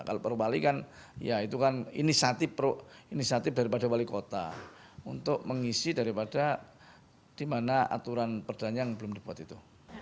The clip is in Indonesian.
kalau perwali kan ya itu kan inisiatif daripada wali kota untuk mengisi daripada di mana aturan perdana yang belum dibuat itu